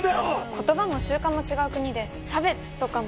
言葉も習慣も違う国で差別とかも